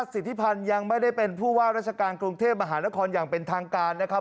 สิทธิพันธ์ยังไม่ได้เป็นผู้ว่าราชการกรุงเทพมหานครอย่างเป็นทางการนะครับ